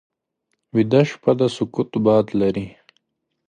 ویده شپه د سکوت باد لري